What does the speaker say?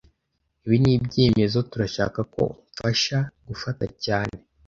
Ibi nibyemezo turashaka ko umfasha gufata cyane